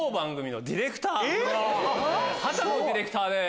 波多野ディレクターです。